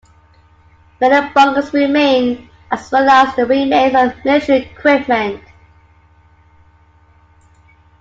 Many bunkers remain, as well as the remains of military equipment.